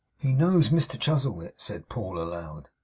'He knows Mrs Chuzzlewit,' said Paul aloud.